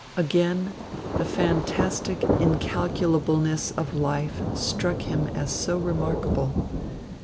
Again the fantastic incalculableness of life struck him as so remarkable.